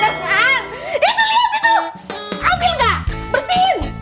itu lihat itu ambil nggak bersihin